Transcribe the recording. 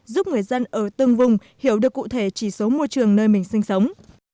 giúp người dân ở từng vùng hiểu được cụ thể chỉ số môi trường nơi mình sinh sống